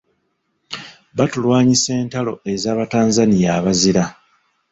Batulwanyisa entalo ez'Abatanzania abazira.